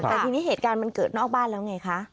แต่ทีนี้เหตุการณ์มันเกิดนอกบ้านแล้วไงคะ